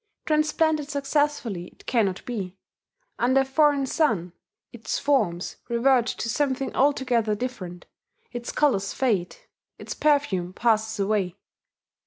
Transplanted successfully it cannot be: under a foreign sun its forms revert to something altogether different, its colours fade, its perfume passes away.